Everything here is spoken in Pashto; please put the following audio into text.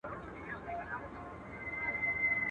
o په يوه موزه کي دوې پښې نه ځائېږي.